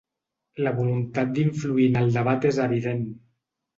La voluntat d’influir en el debat és evident.